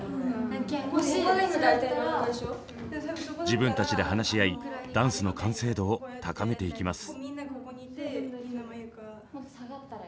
自分たちで話し合いダンスの完成度を高めていきます。